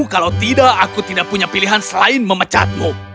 kalau tidak aku tidak punya pilihan selain memecatmu